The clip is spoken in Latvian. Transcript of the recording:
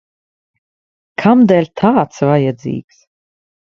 Kamdēļ tāds vajadzīgs?